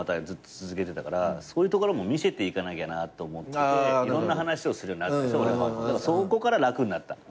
ずっと続けてたからそういうところも見せていかなきゃなと思っていろんな話をするようになった。